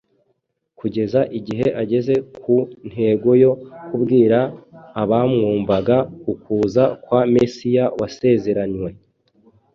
kugeza igihe ageze ku ntego yo kubwira abamwumvaga ukuza kwa Mesiya wasezeranwe.